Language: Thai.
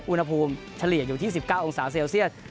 อุณหภูมิเฉลี่ยอยู่ที่๑๙องศาเซลเซียส